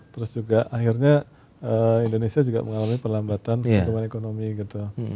terus juga akhirnya indonesia juga mengalami perlambatan pertumbuhan ekonomi gitu